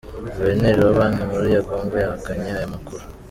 Guverineri wa Banki Nkuru ya Congo yahakanye aya makuru.